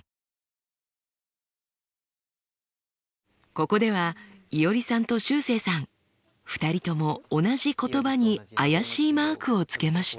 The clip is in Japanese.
ここではいおりさんとしゅうせいさん２人とも同じ言葉に怪しいマークをつけました。